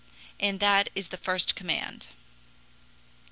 And that is the first command.